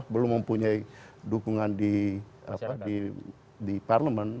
belum mempunyai dukungan di parlemen